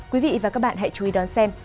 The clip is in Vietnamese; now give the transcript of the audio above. quý vị và các bạn hãy chú ý đón xem